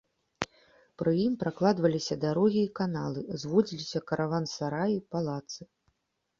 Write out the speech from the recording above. Пры ім пракладваліся дарогі і каналы, узводзіліся караван-сараі, палацы.